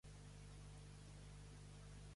la lletra amb sang entra